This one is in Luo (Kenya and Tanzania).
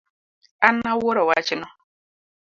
An awuoro wachno